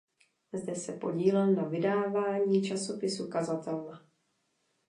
Zde se podílel na vydávání časopisu "Kazatelna".